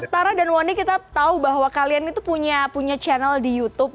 tara dan wonny kita tahu bahwa kalian itu punya channel di youtube